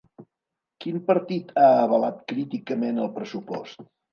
Quin partit ha avalat críticament el pressupost?